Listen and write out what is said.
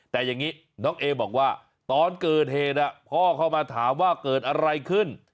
แต่อย่างนี้น้องเอบอกว่าตอนเกิดเหตุพ่อเข้ามาถามว่าเกิดอะไรขึ้น